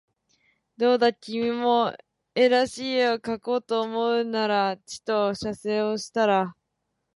どうだ君も画らしい画をかこうと思うならちと写生をしたら